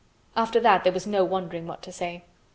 After that there was no wondering what to say.